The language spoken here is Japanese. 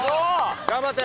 頑張って！